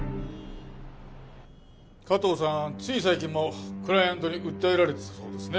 加藤さんつい最近もクライアントに訴えられてたそうですね。